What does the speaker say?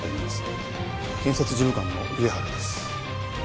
検察事務官の上原です。